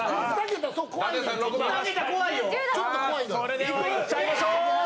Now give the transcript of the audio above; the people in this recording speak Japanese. それではいっちゃいましょう。